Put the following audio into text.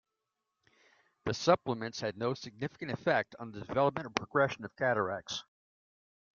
The supplements had no significant effect on the development or progression of cataracts.